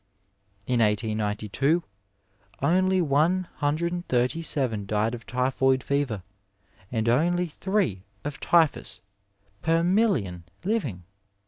In 1892 only one hundred and thirty seven died of typhoid fever and only three of typhus per million living